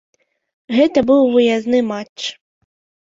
Гэта быў выязны матч.